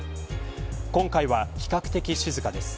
今回は、比較的静かです。